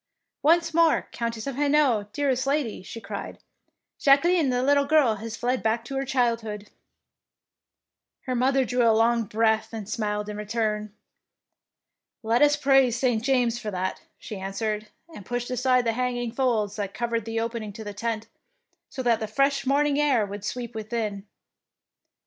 Once more Countess of Hainault, dearest lady,^^ she cried, "Jacqueline the little girl has fled back to her child hood.^' Her mother drew a long breath and smiled in return. "Let us praise St. James for that," she answered, and pushed aside the hanging folds that covered the opening to the tent, so that the fresh morning air would sweep within.